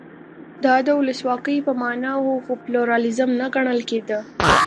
دا د ولسواکۍ په معنا و خو پلورالېزم نه ګڼل کېده.